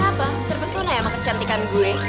apa terpesona ya sama kecantikan gue